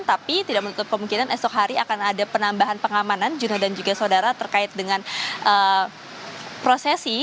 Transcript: tapi tidak menutup kemungkinan esok hari akan ada penambahan pengamanan jurna dan juga saudara terkait dengan prosesi